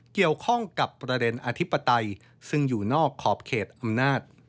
เกี่ยวข้องกับประเด็นอธิปไตยซึ่งอยู่นอกขอบเขตอำนาจ